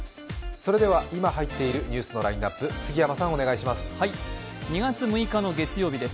それでは今入っているニュースのラインナップ、お願いします。